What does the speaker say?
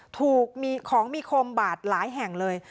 ถูกมีของมีคมบาดหลายแห่งเลย